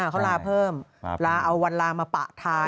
เขาลาเพิ่มลาเอาวันลามาปะทาย